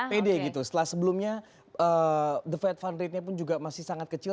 pede gitu setelah sebelumnya the fed fund ratenya pun juga masih sangat kecil